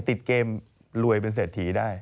ติดเกมรวยเป็นเศรษฐีได้